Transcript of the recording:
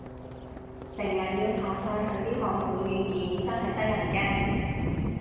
成日要下載佢啲網盤軟件，真係得人驚